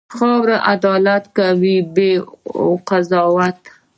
خاوره عدالت کوي، بې قضاوت.